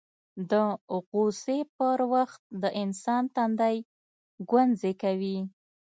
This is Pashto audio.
د غوسې پر وخت د انسان تندی ګونځې کوي